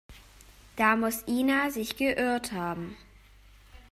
Da muss Ina sich geirrt haben.